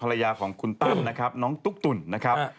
ภรรยาของคุณตั้มนะครับน้องตุ๊กตุ๋นนะครับ